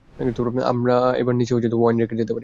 আমরা এবার নীচে ওয়াইন আনতে যেতে পারি।